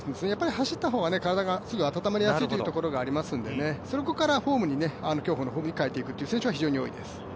走った方が体がすぐあたまりやすいところがありますのでね、そこから競歩のフォームに変えていくという選手が非常に多いです。